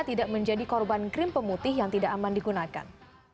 tidak menjadi korban krim pemutih yang tidak aman digunakan